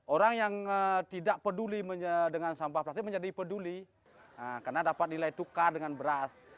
orang yang tidak peduli dengan sampah plastik menjadi peduli karena dapat nilai tukar dengan beras